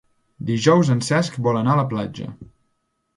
Dijous en Cesc vol anar a la platja.